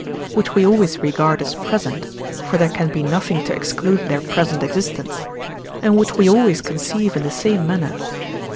which we always regard as present (for there can be nothing to exclude their present existence), and which we always conceive in the same manner (II.